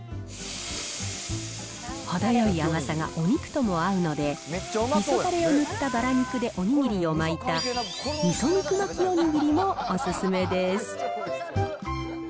程よい甘さがお肉とも合うので、みそだれを塗ったバラ肉でおにぎりを巻いた、みそ肉巻きおにぎりもお勧めです。